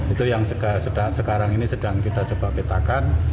itu yang sekarang ini sedang kita coba petakan